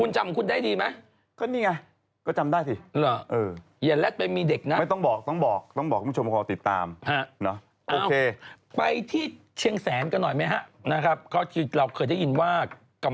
จำเป็นของตัวเอง